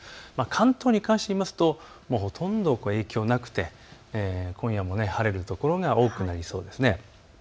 関東に関して言うとほとんど影響がなくて今夜も晴れる所が多くなりそうです。